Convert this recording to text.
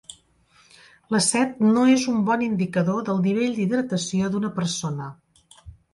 La set no és un bon indicador del nivell d'hidratació d'una persona.